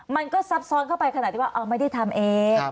ซับซ้อนเข้าไปขนาดที่ว่าเอาไม่ได้ทำเอง